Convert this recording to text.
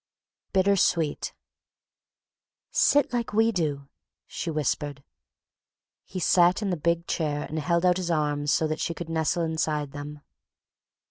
BITTER SWEET "Sit like we do," she whispered. He sat in the big chair and held out his arms so that she could nestle inside them.